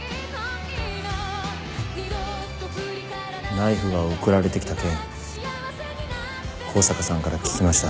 ナイフが送られてきた件香坂さんから聞きました。